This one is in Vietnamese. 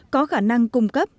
có khả năng cung cấp